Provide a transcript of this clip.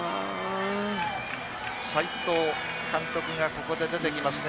斉藤監督がここで出てきますね。